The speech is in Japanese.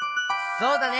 そうだね。